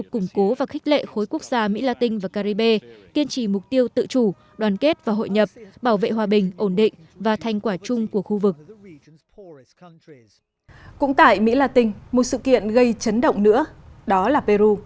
cũng tại mỹ latin một sự kiện gây chấn động nữa đó là peru